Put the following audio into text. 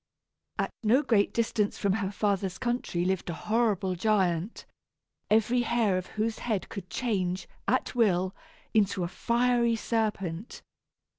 At no great distance from her father's country lived a horrible giant, every hair of whose head could change, at will, into a fiery serpent.